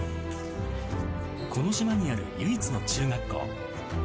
この島にある唯一の中学校。